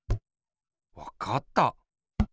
わかった！